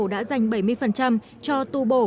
đã dành bảy mươi cho tu bổ